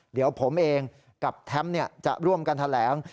เดี๋ยวผมเองกับแท้มจะร่วมกันแถลง